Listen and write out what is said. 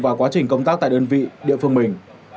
và quá trình công tác tại đơn vị địa phương mình